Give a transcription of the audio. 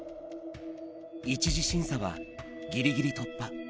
１次審査はぎりぎり突破。